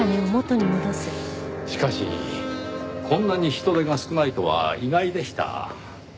しかしこんなに人手が少ないとは意外でした。